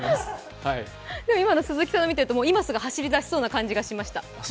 今の鈴木さんの見ていると今すぐ走り出しそうな気がしました。